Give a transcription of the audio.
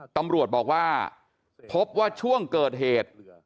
ตำรวจบอกว่าพบว่าช่วงเกิดเหตุ